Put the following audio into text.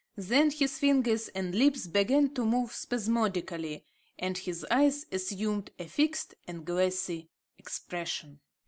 Then his fingers and lips began to move spasmodically, and his eyes assumed a fixed and glassy expression.